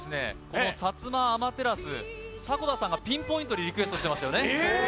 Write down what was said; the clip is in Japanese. この薩摩甘照迫田さんがピンポイントでリクエストしてますよね